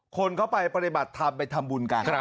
คนเขาไปปฏิบัติธรรมไปทำบุญกัน